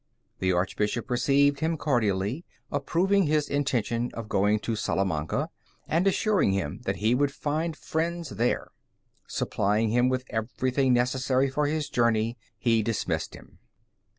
The Archbishop received him cordially, approving his intention of going to Salamanca, and assuring him that he would find friends there. Supplying him with everything necessary for his journey, he dismissed him.